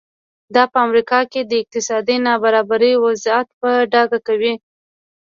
دا په امریکا کې د اقتصادي نابرابرۍ وضعیت په ډاګه کوي.